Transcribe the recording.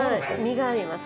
実があります